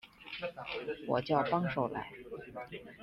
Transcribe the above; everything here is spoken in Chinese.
我叫帮手来